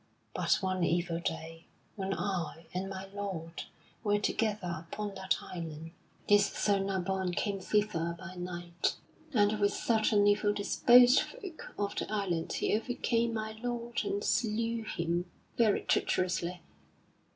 But one evil day when I and my lord were together upon that island, this Sir Nabon came thither by night, and with certain evil disposed folk of the island he overcame my lord and slew him very treacherously.